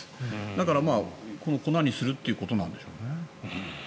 だから、粉にするということなんでしょうね。